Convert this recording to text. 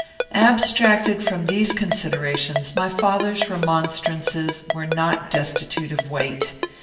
Abstracted from these considerations, my father's remonstrances were not destitute of weight.